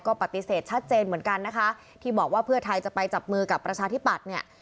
ก็ปฏิเสธชัดเจนเหมือนกันนะคะที่บอกว่าเพื่อไทยจะไปจับมือกับประชาธิปัตย์เนี่ย